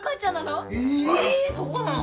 そうなの！？